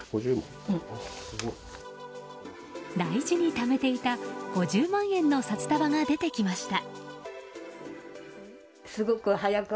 大事にためていた５０万円の札束が出てきました。